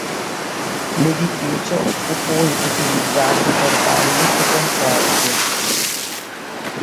L'edificio fu poi utilizzato per balli e concerti.